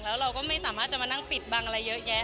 แล้วเราก็ไม่สามารถจะมานั่งปิดบังอะไรเยอะแยะ